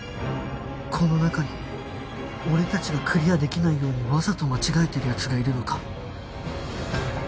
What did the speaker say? この中に俺たちがクリアできないようにわざと間違えてる奴がいるのか？